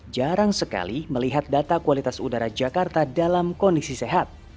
jarang sekali melihat data kualitas udara jakarta dalam kondisi sehat